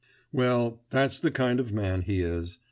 _ Well, that's the kind of man he is.